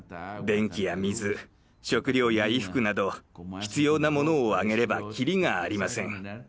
電気や水食料や衣服など必要なものを挙げればきりがありません。